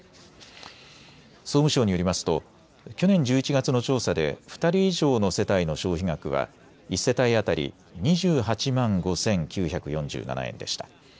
総務省によりますと去年１１月の調査で２人以上の世帯の消費額は１世帯当たり２８万５９４７円でした。